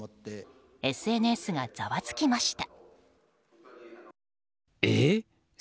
ＳＮＳがざわつきました。